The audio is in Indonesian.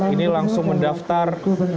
ini langsung mendaftar